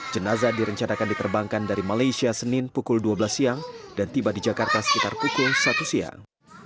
jenazah direncanakan diterbangkan dari malaysia senin pukul dua belas siang dan tiba di jakarta sekitar pukul satu siang